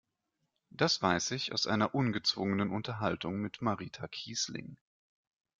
Das weiß ich aus einer ungezwungenen Unterhaltung mit Marita Kießling.